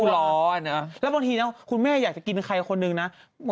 แล้วบางทีนะคุณแม่อยากจะกินใครคนนึงนะ